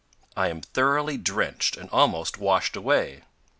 I am thoroughly drenched and almost washed away.